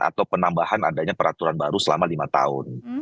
atau penambahan adanya peraturan baru selama lima tahun